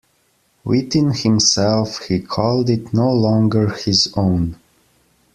Within himself he called it no longer his own.